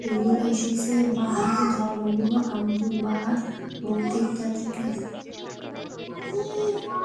এগুলো এসেছে বাহাই ধর্মগুরু আবদুল-বাহা’র বক্তৃতা থেকে।